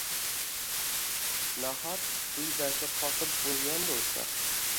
Nahot diydasi qotib boʻlgan boʻlsa?!